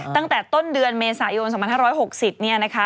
ตั้งแต่ต้นเดือนเมษายน๒๕๖๐เนี่ยนะคะ